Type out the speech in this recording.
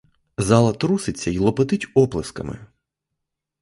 Зала труситься й лопотить оплесками.